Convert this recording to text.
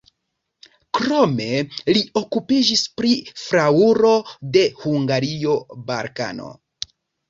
Krome li okupiĝis pri flaŭro de Hungario, Balkano.